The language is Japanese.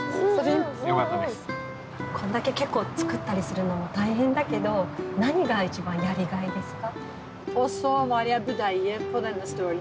こんだけ結構作ったりするのも大変だけど何が一番やりがいですか？